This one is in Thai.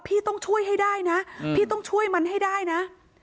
พี่ต้องช่วยให้ได้นะพี่ต้องช่วยมันให้ได้นะ